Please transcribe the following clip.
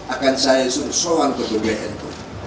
akan saya suruh soalan ke bwn ojt